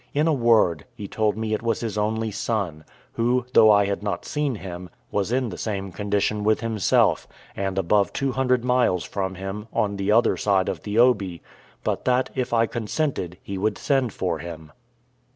In a word, he told me it was his only son; who, though I had not seen him, was in the same condition with himself, and above two hundred miles from him, on the other side of the Oby; but that, if I consented, he would send for him.